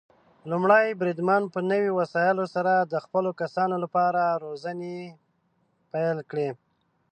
لومړی بریدمن په نوي وسايلو سره د خپلو کسانو لپاره روزنې پيل کړي.